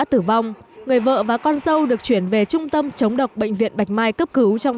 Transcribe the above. tử vong người vợ và con dâu được chuyển về trung tâm chống độc bệnh viện bạch mai cấp cứu trong